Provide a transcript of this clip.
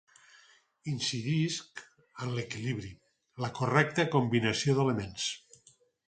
Incidisc en l'equilibri, la correcta combinació d'elements.